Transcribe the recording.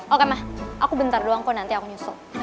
oke ma aku bentar doang kok nanti aku nyusul